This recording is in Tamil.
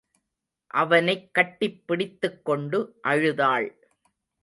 அவனைக் கட்டிப் பிடித்துக் கொண்டு அழுதாள்.